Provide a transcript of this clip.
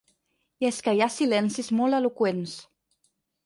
I és que hi ha silencis molt eloqüents.